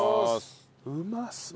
うまそう！